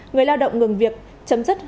người lao động ngừng việc chấm dứt